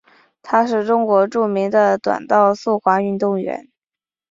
她是中国著名的短道速滑运动员。